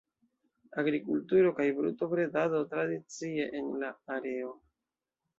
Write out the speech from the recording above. Agrikulturo kaj brutobredado tradicie en la areo.